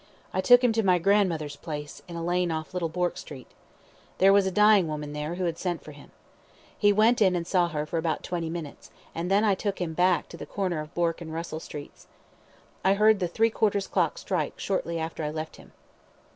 I took him to my grandmother's place, in a lane off Little Bourke Street. There was a dying woman there, who had sent for him. He went in and saw her for about twenty minutes, and then I took him back to the corner of Bourke and Russell Streets. I heard the three quarters strike shortly after I left him.